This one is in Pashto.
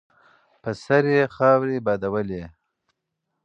په سر یې خاورې بادولې.